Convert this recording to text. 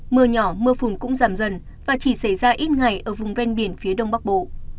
mưa nhỏ mưa phùn cũng giảm dần và chỉ xảy ra ít ngày ở vùng ven biển phía đông bắc bộ